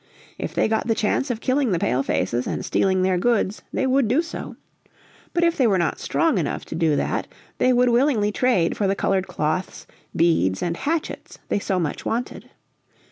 If they got the chance of killing the Pale faces and stealing their goods they would do so. But if they were not strong enough to do that they would willingly trade for the coloured cloths, beads and hatchets they so much wanted.